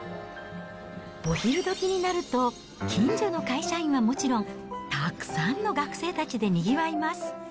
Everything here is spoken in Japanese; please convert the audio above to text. お昼どきになると、近所の会社員はもちろん、たくさんの学生たちでにぎわいます。